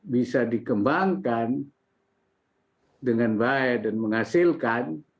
bisa dikembangkan dengan baik dan menghasilkan